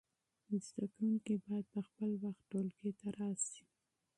زده کوونکي باید په خپل وخت ټولګي ته راسی.